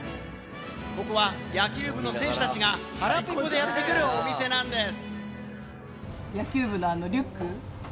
ここは野球部の選手たちが腹ペコでやってくるお店なんです。